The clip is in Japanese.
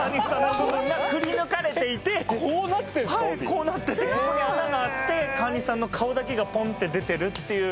こうなっててここに穴があって川西さんの顔だけがポンッて出てるっていう。